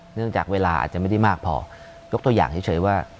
เนื่องจากเวลาอาจจะไม่ได้มากพอยกตัวอย่างเฉยว่า